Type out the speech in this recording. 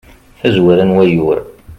tazwara n wayyur